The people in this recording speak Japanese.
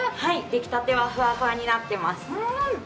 出来たてはふわふわになってます。